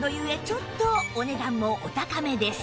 ちょっとお値段もお高めです